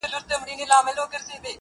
د هغې خوله !! شونډي !! پېزوان او زنـي!!